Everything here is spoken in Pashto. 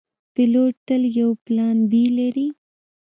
پیلوټ تل یو پلان “B” لري.